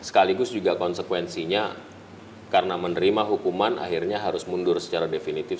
sekaligus juga konsekuensinya karena menerima hukuman akhirnya harus mundur secara definitif